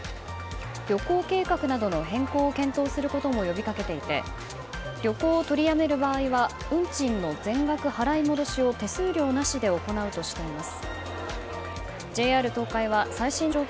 旅行計画などの変更を検討することも呼びかけていて旅行を取りやめる場合は運賃の全額払い戻しを手数料なしで行うとしています。